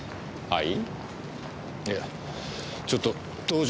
はい。